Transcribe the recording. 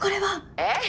☎えっ？